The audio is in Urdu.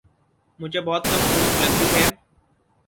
مجھے بہت کم بھوک لگتی ہے